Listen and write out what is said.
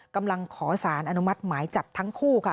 กำลังขอสารอนุมัติหมายจับทั้งคู่ค่ะ